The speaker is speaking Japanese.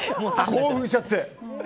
興奮しちゃって。